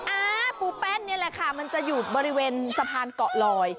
อ่าปูแป้นนี่แหละค่ะมันจะอยู่บริเวณสะพานเกาะลอย